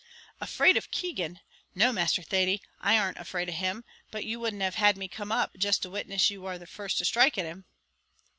"Afraid of Keegan! No, Masther Thady, I arn't afraid of him; but you wouldn't have had me come up, jist to witness that you war the first to strike at him."